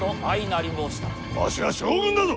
わしは将軍だぞ！